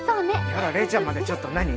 やだ麗ちゃんまでちょっと何？